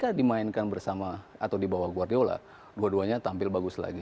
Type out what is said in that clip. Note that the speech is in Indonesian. ketika dimainkan bersama atau di bawah guardiola dua duanya tampil bagus lagi